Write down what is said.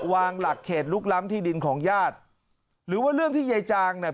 หลักเขตลุกล้ำที่ดินของญาติหรือว่าเรื่องที่ยายจางเนี่ย